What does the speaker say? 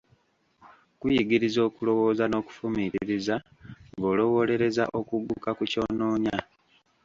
Kuyigiriza okulowooza n'okufumiitiriza, ng'olowoolereza okugguka ku ky'onoonya.